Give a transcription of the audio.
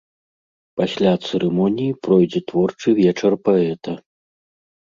Пасля цырымоніі пройдзе творчы вечар паэта.